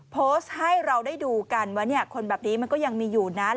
โพสต์ให้เราได้ดูกันว่าคนแบบนี้มันก็ยังมีอยู่นั้น